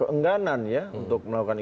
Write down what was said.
keengganan ya untuk melakukan